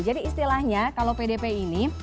jadi istilahnya kalau pdp ini